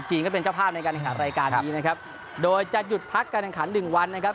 ก็เป็นเจ้าภาพในการแข่งขันรายการนี้นะครับโดยจะหยุดพักการแข่งขันหนึ่งวันนะครับ